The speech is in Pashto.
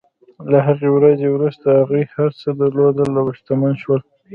له هغې ورځې وروسته هغوی هر څه درلودل او شتمن شول.